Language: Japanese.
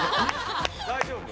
大丈夫？